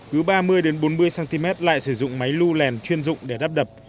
cứ ba mươi bốn mươi cm lại sử dụng máy lưu lèn chuyên dụng để đắp đập